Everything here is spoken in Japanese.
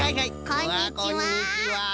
こんにちは。